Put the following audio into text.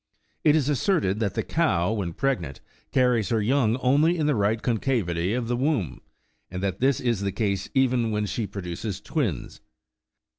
4 It is asserted that the cow, when preg nant, carries her young only in the right concavity of the womb, and that this is the case even when she produces twins.